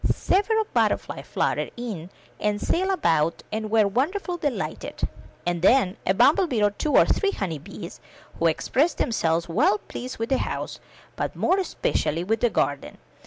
Several butterflies fluttered in and sailed about and were wonderfully delighted, and then a bumble bee and two or three honey bees, who expressed them selves well pleased with the house, but more espe cially with the garden.